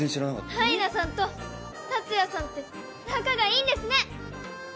愛菜さんと達也さんって仲がいいんですね！